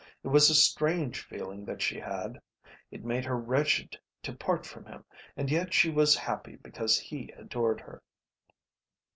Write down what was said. It was a strange feeling that she had. It made her wretched to part from him and yet she was happy because he adored her.